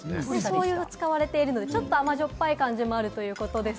醤油が使われてるので、ちょっと甘じょっぱい感じもあるということです。